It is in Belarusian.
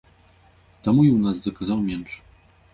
Таму і ў нас заказаў менш.